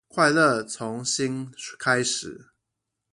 快樂從心開始